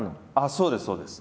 そうですそうです。